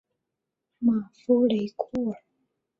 马夫雷库尔。